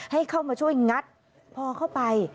ให้เข้ามาช่วยงัดพอเข้าไป